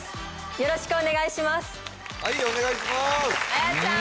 よろしくお願いします